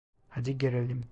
Hadi girelim.